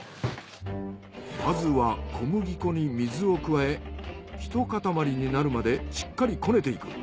まずは小麦粉に水を加えひと塊になるまでしっかりこねていく。